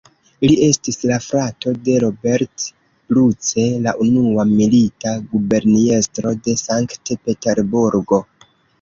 Li estis la frato de "Robert Bruce", la unua milita guberniestro de Sankt-Peterburgo.